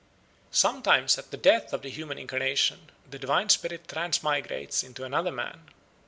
Sometimes, at the death of the human incarnation, the divine spirit transmigrates into another man.